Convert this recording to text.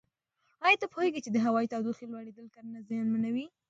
ایا ته پوهېږې چې د هوا د تودوخې لوړېدل کرنه زیانمنوي؟